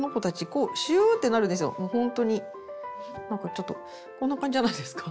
ちょっとこんな感じじゃないですか？